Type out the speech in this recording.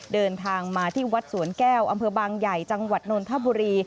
เดินทางมาที่วัดสวนแก้วอำเภอบางใหญ่จังหวัดนนทบุรี